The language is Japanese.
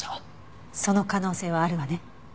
その可能性はあるわね。